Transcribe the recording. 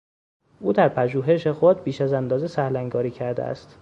او در پژوهش خود بیش از اندازه سهلانگاری کرده است.